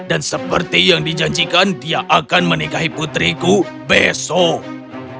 dan seperti yang dijanjikan dia akan menikahi putriku besok